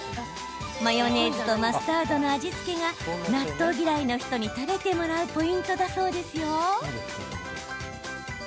マヨネーズとマスタードの味付けが納豆嫌いの人に食べてもらうポイントだそうですよ。